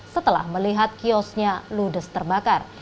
setelah melihat kiosnya ludes terbakar